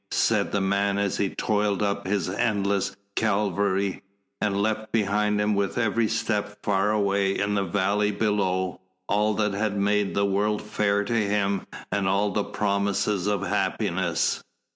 said the man as he toiled up his endless Calvary and left behind him with every step, far away in the valley below, all that had made the world fair to him and all the promises of happiness.